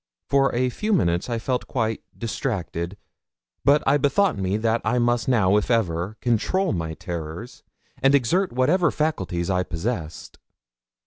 For a few minutes I felt quite distracted; but I bethought me that I must now, if ever, control my terrors and exert whatever faculties I possessed.